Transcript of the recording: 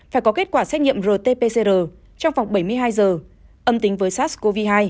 phải có kết quả xét nghiệm rt pcr trong vòng bảy mươi hai giờ âm tính với sars cov hai